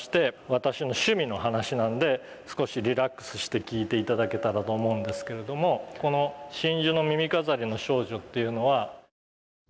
私の趣味の話なんで少しリラックスして聞いて頂けたらと思うんですけれどもこの「真珠の耳飾りの少女」っていうのは。